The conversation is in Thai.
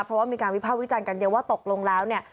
เพราะว่ามีการวิภาควิจารณ์กันเยอะว่าตกลงแล้วเนี่ย